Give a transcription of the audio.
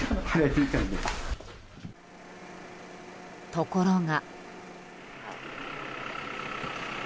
ところが。